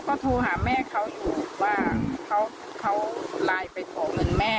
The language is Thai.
ก็โทรหาแม่เขาอยู่ว่าเขาไลน์ไปขอเงินแม่